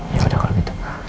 ya udah kalau gitu